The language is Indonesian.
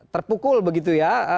terpukul begitu ya